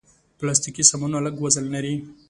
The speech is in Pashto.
پلاستيکي سامانونه لږ وزن لري.